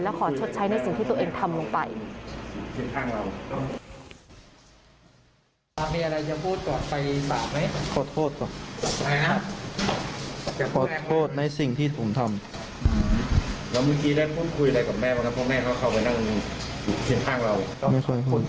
ขอชดใช้ในสิ่งที่ตัวเองทำลงไป